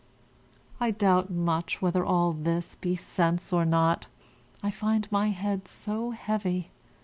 I doubt much whether all this be sense or not; I find my head so heavy.